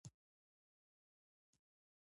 د افغانستان طبیعت له چنګلونه څخه جوړ شوی دی.